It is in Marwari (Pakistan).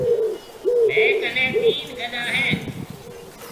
ميه ڪنَي تين گڏا هيَ۔